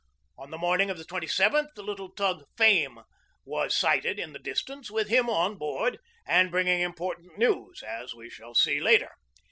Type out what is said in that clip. On the morn ing of the 27th the little tug Fame was sighted in the distance, with him on board and bringing impor tant news, as we shall see later.